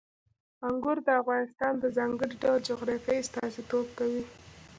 انګور د افغانستان د ځانګړي ډول جغرافیې استازیتوب کوي.